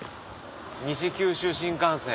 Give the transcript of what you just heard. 西九州新幹線。